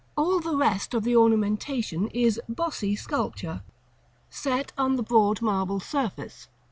All the rest of the ornamentation is "bossy sculpture," set on the broad marble surface.